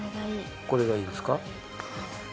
これがいいですか？